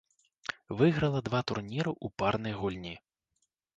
Выйграла два турніры ў парнай гульні.